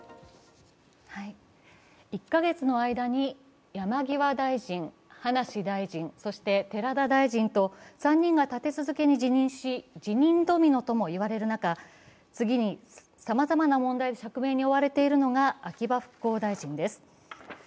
１か月の間に山際大臣、葉梨大臣、そして寺田大臣と３人が立て続けに辞任し、辞任ドミノとも言われる中、次にさまざまな問題で釈明に追われているのが秋葉復興大臣です。